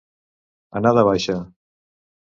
Anar de baixa.